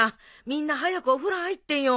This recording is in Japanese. みんな早くお風呂入ってよ。